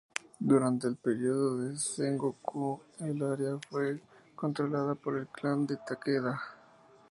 Durante el periodo de Sengoku, el área fue controlada por el clan de Takeda.